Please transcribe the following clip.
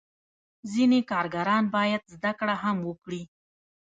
ځینې کارګران باید زده کړه هم وکړي.